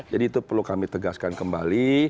jadi itu perlu kami tegaskan kembali